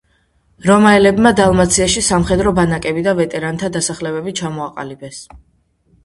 რომაელებმა დალმაციაში სამხედრო ბანაკები და ვეტერანთა დასახლებები ჩამოაყალიბეს.